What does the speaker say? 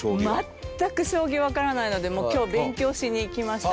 全く将棋わからないので今日、勉強しに来ました。